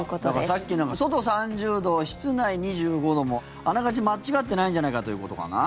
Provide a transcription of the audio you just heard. さっき外３０度、室内２５度もあながち間違っていないんじゃないかということかな。